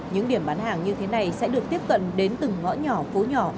những điểm bán hàng như thế này sẽ được tiếp cận đến từng ngõ nhỏ phố nhỏ